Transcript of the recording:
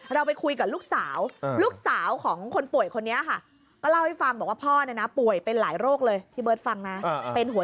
เราไปคุยกับลูกสาว